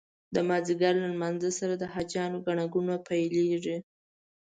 د مازدیګر له لمانځه سره د حاجیانو ګڼه ګوڼه پیلېږي.